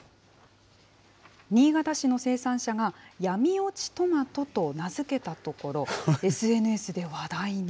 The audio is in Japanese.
新潟市の生産者が、闇落ちとまとと名付けたところ、ＳＮＳで話題に。